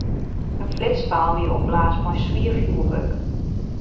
In flitspeal wie opblaasd mei swier fjurwurk.